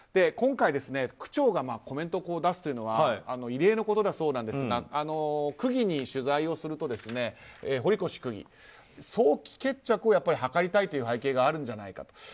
今回、区長がコメントを出すというのは異例のことだそうですが区議に取材をすると堀越区議早期決着を図りたいという背景があるんじゃないかと。